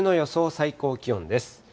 最高気温です。